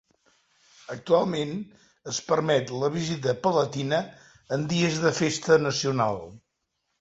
Actualment es permet la visita palatina en dies de festa nacional.